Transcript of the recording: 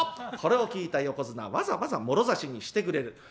これを聞いた横綱わざわざもろ差しにしてくれる。